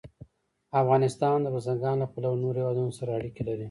افغانستان د بزګان له پلوه له نورو هېوادونو سره اړیکې لري.